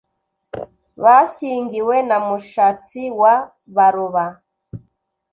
bashyingiwe na mushatsi wa baroba,